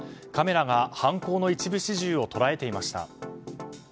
カメラが犯行の一部始終を捉えていました。